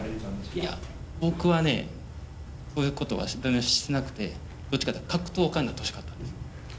いや、僕はね、そういうことは全然しなくて、どっちかっていうと、格闘家になってほしかったんですよ。